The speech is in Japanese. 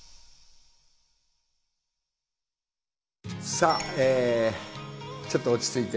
さあちょっと落ち着いて。